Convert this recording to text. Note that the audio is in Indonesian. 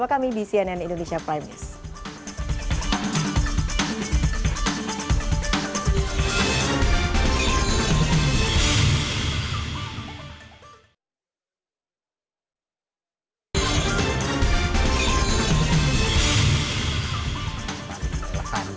bersama kami di cnn indonesia prime news